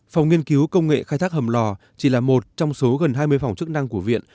phòng nghiên cứu công nghệ khai thác hầm lò chỉ là một trong số gần hai mươi phòng chức năng của viện